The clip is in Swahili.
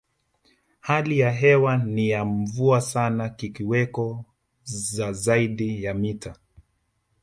Hali ya hewa ni ya mvua sana kukiweko za zaidi ya mita